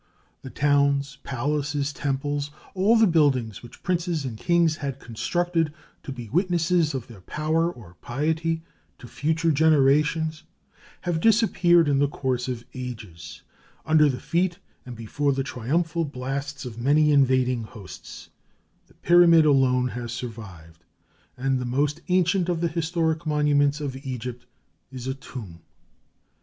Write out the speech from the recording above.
The towns, palaces, temples, all the buildings which princes and kings had constructed to be witnesses of their power or piety to future generations, have disappeared in the course of ages, under the feet and before the triumphal blasts of many invading hosts: the pyramid alone has survived, and the most ancient of the historic monuments of Egypt is a tomb.